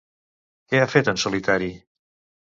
Què ha fet en solitari?